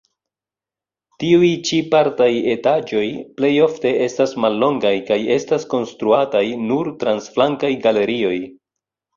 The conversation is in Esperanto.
Tiuj ĉi partaj etaĝoj plejofte estas mallongaj kaj estas konstruataj nur trans flankaj galerioj.